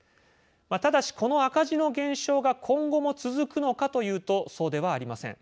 ただしこの赤字の減少が今後も続くのかというとそうではありません。